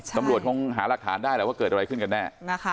ตำรวจคงหารักฐานได้แหละว่าเกิดอะไรขึ้นกันแน่